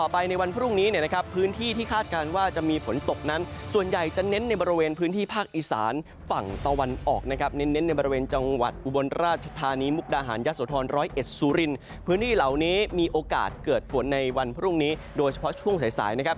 พื้นที่เหล่านี้มีโอกาสเกิดฝนในวันพรุ่งนี้โดยเฉพาะช่วงสายนะครับ